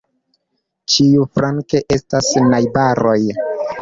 Ĉiuflanke estas najbaroj.